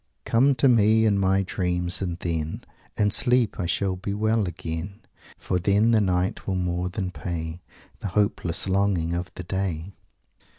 "Come to me in my dreams and then In sleep I shall be well again For then the night will more than pay The hopeless longing of the day!"